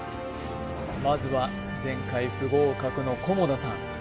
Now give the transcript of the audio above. まずは前回不合格の菰田さん